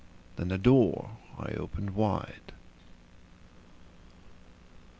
.. then the door I opened wide.